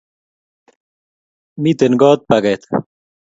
Miten goot paket